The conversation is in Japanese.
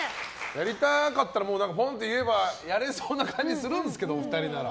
やりたかったらポンと言えばやれそうな感じするんですけどお二人なら。